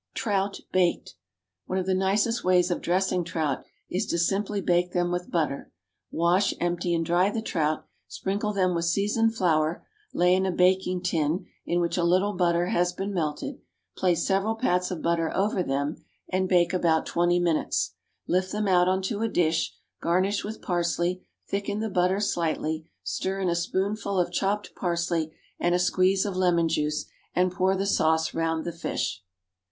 =Trout, Baked.= One of the nicest ways of dressing trout is to simply bake them with butter. Wash, empty, and dry the trout, sprinkle them with seasoned flour, lay in a baking tin in which a little butter has been melted, place several pats of butter over them, and bake about twenty minutes. Lift them out on to a dish, garnish with parsley, thicken the butter slightly, stir in a spoonful of chopped parsley and a squeeze of lemon juice, and pour the sauce round the fish.